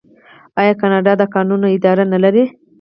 آیا کاناډا د کانونو اداره نلري؟